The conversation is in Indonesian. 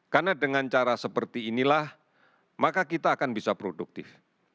karena dengan cara seperti inilah maka kita akan bisa produktif